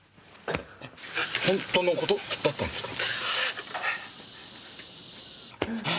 本当の事だったんですか？